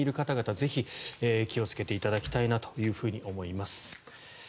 ぜひ、気をつけていただきたいと思います。